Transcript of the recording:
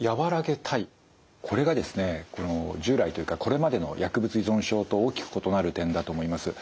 これがですね従来というかこれまでの薬物依存症と大きく異なる点だと思います。